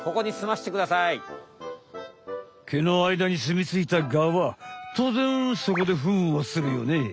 毛の間にすみついたガはとうぜんそこでフンをするよねえ。